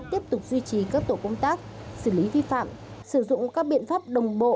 tiếp tục duy trì các tổ công tác xử lý vi phạm sử dụng các biện pháp đồng bộ